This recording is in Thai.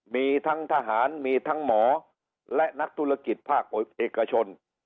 มีทั้งทหารมีทั้งหมอและนักธุรกิจภาคเอกชน